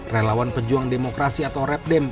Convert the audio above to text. relawan pejuang demokrasi atau repdem